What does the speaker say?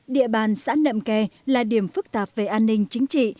địa bàn xã nậm kè là điểm phức tạp về an ninh chính trị